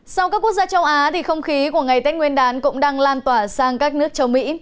sau các quốc gia châu á không khí của ngày tết nguyên đán cũng đang lan tỏa sang các nước châu mỹ